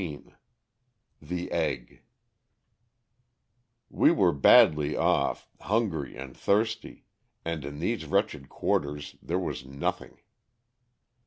XV The Egg WE were badly off, hungry and thirsty; and in these wretched quarters there was nothing!